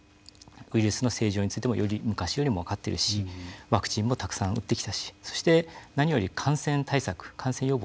ウイルスの性状についても昔よりも分かっているしワクチンもたくさん打ってきたしそして何より感染対策感染予防